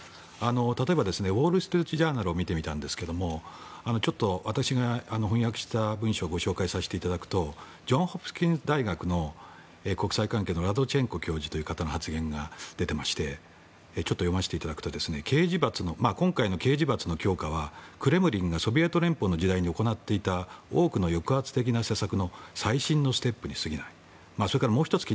例えば、ウォール・ストリート・ジャーナルを見てみたんですがちょっと私が翻訳した文書をご紹介させていただくとジョンズ・ホプキンス大学の国際関係のラドチェンコ教授という方の発言が出てましてちょっと読ませていただきますと刑事罰の強化はクレムリンがソビエト連邦の時代に行っていた多くの抑圧的な施策の最新の施策に過ぎない。